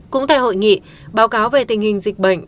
cũng tại hội nghị báo cáo về tình hình dịch bệnh